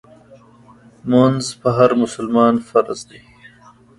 مونځ په هر مسلمان فرض دی